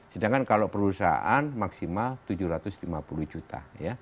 sedangkan kalau perusahaan maksimal tujuh ratus lima puluh juta